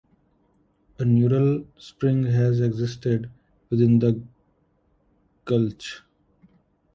A natural spring had existed within the gulch.